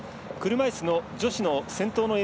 車いすの女子の先頭。